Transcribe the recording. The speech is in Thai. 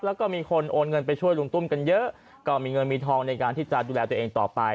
แล้วก็มีคนโอนเงินไปช่วยลุงตุ้มกันเยอะก็มีเงินมีทองในการที่จะดูแลตัวเองต่อไป